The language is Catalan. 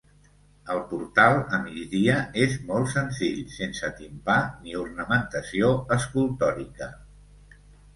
El portal, a migdia, és molt senzill, sense timpà ni ornamentació escultòrica.